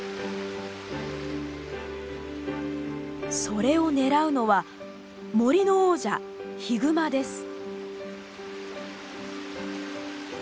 それを狙うのは森の王者ヒグマです。